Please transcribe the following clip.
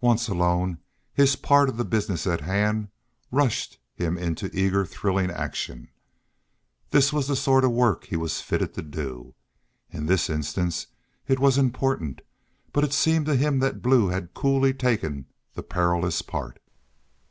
Once alone, his part of the business at hand rushed him into eager thrilling action. This was the sort of work he was fitted to do. In this instance it was important, but it seemed to him that Blue had coolly taken the perilous part.